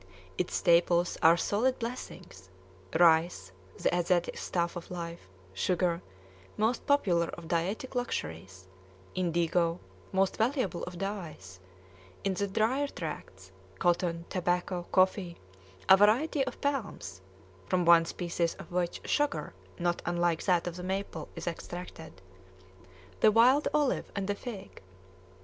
Its staples are solid blessings: rice, the Asiatic's staff of life; sugar, most popular of dietetic luxuries; indigo, most valuable of dyes; in the drier tracts, cotton, tobacco, coffee, a variety of palms (from one species of which sugar not unlike that of the maple is extracted), the wild olive, and the fig.